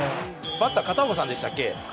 「バッター片岡さんでしたっけ？」